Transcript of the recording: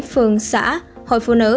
phường xã hội phụ nữ